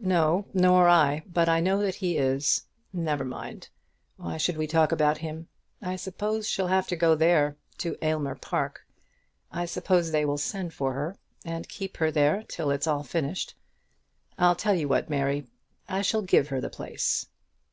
"No, nor I. But I know that he is. Never mind. Why should we talk about him? I suppose she'll have to go there, to Aylmer Park. I suppose they will send for her, and keep her there till it's all finished. I'll tell you what, Mary, I shall give her the place."